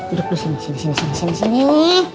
duduk dulu sini sini sini